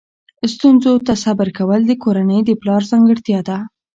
ستونزو ته صبر کول د کورنۍ د پلار ځانګړتیا ده.